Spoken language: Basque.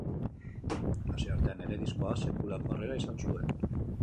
Nazioartean ere, diskoak sekulako harrera izan zuen.